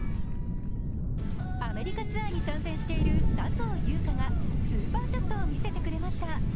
アメリカツアーに参戦している笹生優花がスーパーショットを見せてくれました。